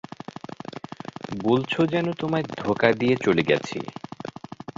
বলছো যেন তোমায় ধোকা দিয়ে চলে গেছি।